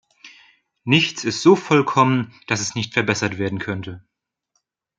Nichts ist so vollkommen, dass es nicht verbessert werden könnte.